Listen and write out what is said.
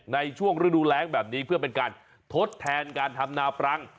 ในช่วงฤดูแรงแบบนี้เพื่อเป็นการทดแทนการทำนาปรัง